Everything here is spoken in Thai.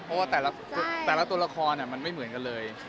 เพราะว่าแต่ละแต่ละตัวละครเนี่ยมันไม่เหมือนกันเลย